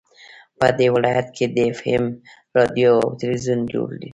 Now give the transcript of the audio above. په دې ولايت كې د اېف اېم راډيو او ټېلوېزون جوړ